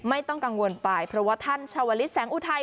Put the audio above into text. ไม่ต้องกังวลไปเพราะว่าท่านชาวลิศแสงอุทัย